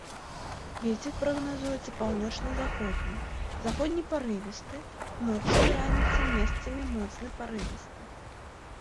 Вецер прагназуецца паўночна-заходні, заходні парывісты, ноччу і раніцай месцамі моцны парывісты.